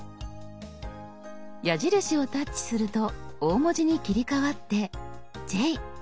矢印をタッチすると大文字に切り替わって「Ｊ」。